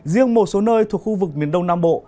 riêng một số nơi thuộc khu vực miền đông nam bộ